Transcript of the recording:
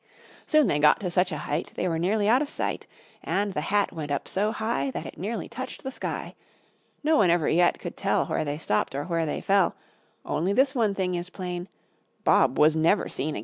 Soon they got to such a height, They were nearly out of sight. And the hat went up so high, That it nearly touched the sky. No one ever yet could tell Where they stopped, or where they fell: Only this one thing is plain, Bob was never seen again!